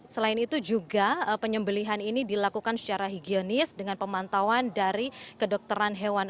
selain itu juga penyembelihan ini dilakukan secara higienis dengan pemantauan dari kedokteran hewan